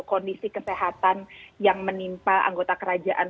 kondisi kesehatan yang menimpa anggota kerajaan